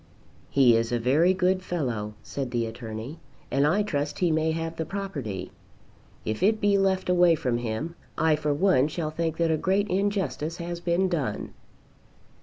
"He is a very good fellow," said the Attorney, "and I trust he may have the property. If it be left away from him, I for one shall think that a great injustice has been done."